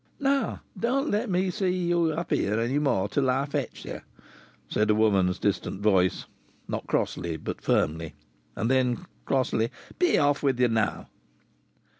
"Now don't let me see ye up here any more till I fetch ye!" said a woman's distant voice not crossly, but firmly. And then, crossly: "Be off with ye now!"